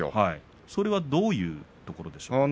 どういうところでしょうか。